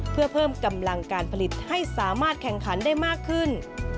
เพื่อเพิ่มกำลังการผลิตให้สามารถแข่งขันได้มากขึ้น